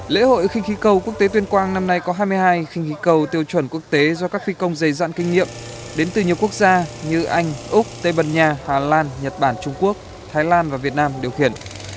lễ hội khinh khí cầu quốc tế tuyên quang năm nay có hai mươi hai khinh khí cầu tiêu chuẩn quốc tế do các phi công dày dạn kinh nghiệm đến từ nhiều quốc gia như anh úc tây bần nha hà lan nhật bản trung quốc thái lan và việt nam điều khiển